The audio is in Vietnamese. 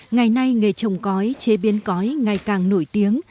ngày nay nghề trồng cói chế biến cói ngày càng nổi tiếng